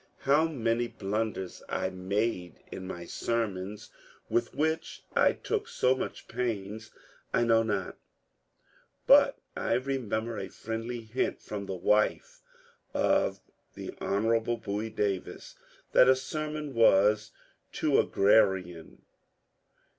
How many blunders I made in my sermons, with which I took so much pains, I know not, but I remember a friendly hint from the wife of the Hon. Bowie Davis that a sermon was too *^ agrarian."